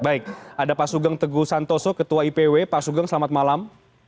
baik ada pak sugeng teguh santoso ketua ipw pak sugeng selamat malam